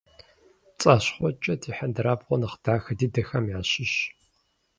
ПцӀащхъуэкӀэр ди хьэндырабгъуэ нэхъ дахэ дыдэхэм ящыщщ.